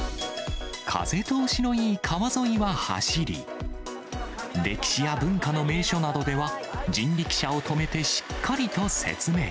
風通しのいい川沿いは走り、歴史や文化の名所などでは、人力車を止めてしっかりと説明。